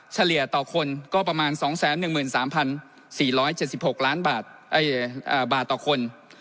เฉลี่ยต่อคนก็ประมาณ๒๑๓๔๗๖ล้านบาทบาทต่อคน